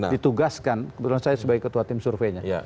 ditugaskan kebetulan saya sebagai ketua tim surveinya